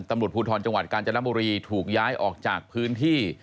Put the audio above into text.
ตำรวจภูทรจังหวัดกาญจนบุรีถูกย้ายออกจากพื้นที่